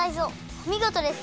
おみごとです！